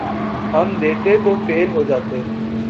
ہم دیتے تو فیل ہو جاتے